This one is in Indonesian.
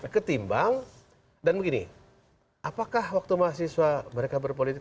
ketimbang dan begini apakah waktu mahasiswa mereka berpolitik